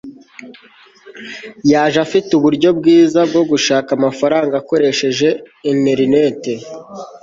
yaje afite uburyo bwiza bwo gushaka amafaranga akoresheje interineti